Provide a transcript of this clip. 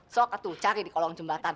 sok atuh cari di kolong jembatan